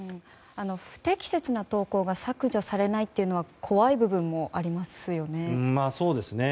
不適切な投稿が削除されないっていうのは怖い部分もありますよね。